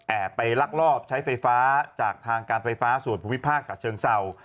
ไปลักลอบใช้ไฟฟ้าจากทางการไฟฟ้าส่วนภูมิภาคฉะเชิงเศร้า